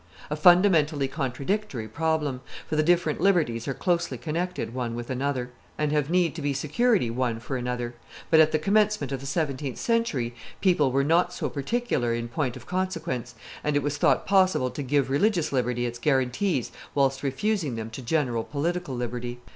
A fundamentally contradictory problem; for the different liberties are closely connected, one with another, and have need to be security one for another; but, at the commencement of the seventeenth century, people were not so particular in point of consequence, and it was thought possible to give religious liberty its guarantees whilst refusing them to general political liberty.